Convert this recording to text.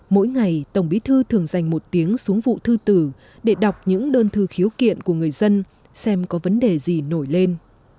mỗi ngày tổng bí thư thường dành một tiếng xuống vụ thư tử để đọc những đơn thư khiếu kiện của người dân xem có vấn đề gì nổi lên